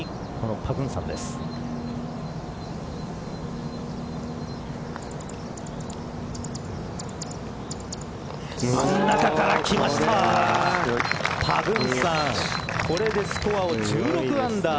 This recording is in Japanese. パグンサンこれでスコアを１６アンダー。